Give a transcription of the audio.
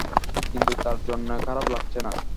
কিন্তু তার জন্যে খারাপ লাগছে না।